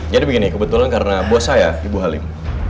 jadi begini kebetulan karena bos saya ibu halim